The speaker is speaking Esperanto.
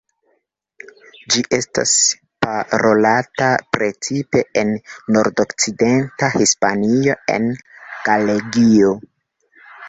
Ĝi estas parolata precipe en nordokcidenta Hispanio en Galegio.